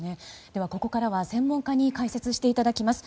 ではここからは専門家に解説していただきます。